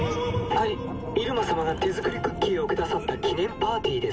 はい「イルマ様が手作りクッキーを下さった記念パーティー」ですね。